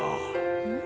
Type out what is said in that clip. うん？